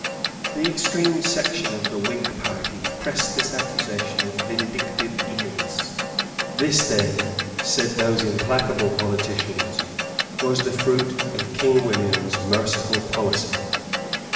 The extreme section of the Whig party pressed this accusation with vindictive eagerness. This then, said those implacable politicians, was the fruit of King William's merciful policy.